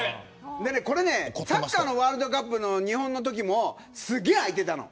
サッカーのワールドカップの日本のときもすごい空いてたのよ。